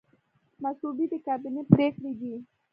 مصوبې د کابینې پریکړې دي